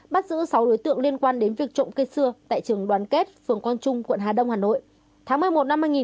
bắt giữ sáu đối tượng liên quan đến việc trộm cây xưa tại trường đoàn kết phường quang trung quận hà đông hà nội